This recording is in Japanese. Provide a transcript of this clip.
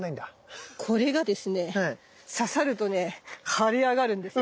これがですね刺さるとね腫れ上がるんですよ。